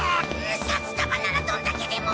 札束ならどんだけでも！